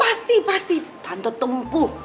pasti pasti tante tempuh